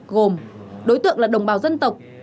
gồm đối tượng là đồng bào dân tộc